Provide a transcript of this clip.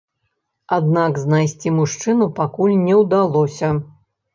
Аднак знайсці мужчыну пакуль не ўдалося.